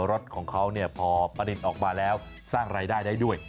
รถของเขาพอประดิษฐ์ออกมาแล้วสร้างรายได้ได้ด้วย